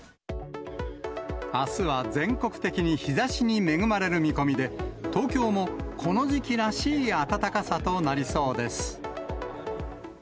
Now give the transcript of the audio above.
あすは全国的に日ざしに恵まれる見込みで、東京もこの時期らしい暖かさとなりそうです。